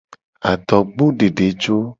Adogbodedejo.